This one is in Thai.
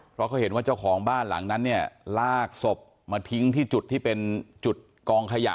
เพราะเขาเห็นว่าเจ้าของบ้านหลังนั้นเนี่ยลากศพมาทิ้งที่จุดที่เป็นจุดกองขยะ